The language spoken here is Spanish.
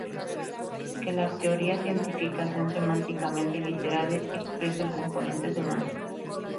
Que las teorías científicas sean semánticamente literales expresa el componente semántico.